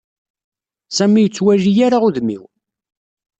Sami ur yettwali ara udem-iw.